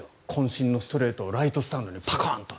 渾身のストレートをライトスタンドにバコンと。